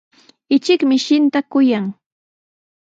Ichik mishinta kuyan.